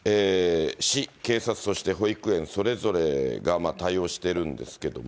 市、警察、そして保育園、それぞれが対応してるんですけども。